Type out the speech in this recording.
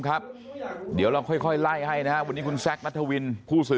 ยืนกระยี้ผมอยู่